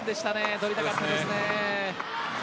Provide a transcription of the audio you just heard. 取りたかったですね。